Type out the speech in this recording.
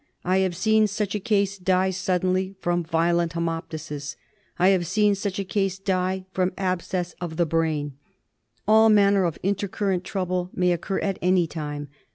I have seen such a case die suddenlv from violent haemoptysis ; I have seen such a case die from abscess of the brain. All manner of intercurrent trouble may occur at any time.